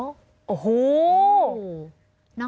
โอ้โห